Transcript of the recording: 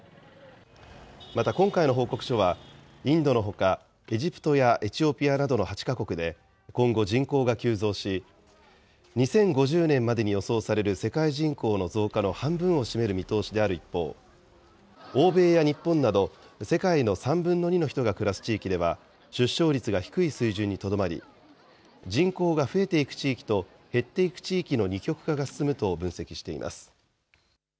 また、今回の報告書はインドのほかエジプトやエチオピアなどの８か国で今後、人口が急増し、２０５０年までに予想される世界人口の増加の半分を占める見通しである一方、欧米や日本など、世界の３分の２の人が暮らす地域では、出生率が低い水準にとどまり、人口が増えていく地域と、減っていく地域の二極化が進むと分析しています。